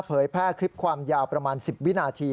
เผยแพร่คลิปความยาวประมาณ๑๐วินาที